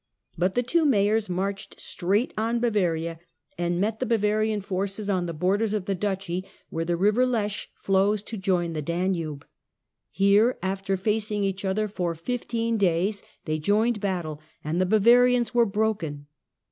But the two mayors marched straight on Bavaria, and met the Bavarian forces on the borders of the duchy, where the river Lech flows to join the Danube. Here, after facing each other for fifteen days, they joined battle, and the Bavarians were broken.